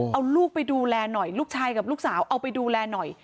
เอาลูกไปดูแลหน่อยลูกชายกับลูกสาวเอาไปดูแลหน่อย